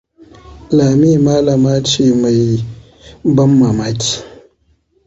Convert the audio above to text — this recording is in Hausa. Lami malama ce mai ban mamaki.